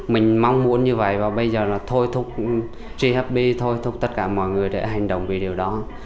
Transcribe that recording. mình mong muốn như vậy và bây giờ thôi thúc g happy thôi thúc tất cả mọi người để hành động vì điều đó